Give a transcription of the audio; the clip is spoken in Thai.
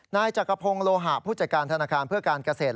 นายจักรพงศ์โลหะผู้จัดการธนาคารเพื่อการเกษตร